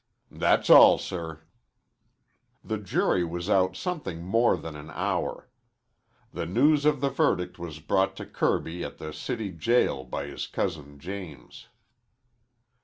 "That's all, sir." The jury was out something more than an hour. The news of the verdict was brought to Kirby at the city jail by his cousin James.